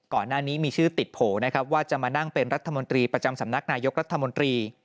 ก่อนหน้านี้มีชื่อติดโผล่นะครับว่าจะมานั่งเป็นรัฐมนตรีประจำสำนักนายกรัฐมนตรี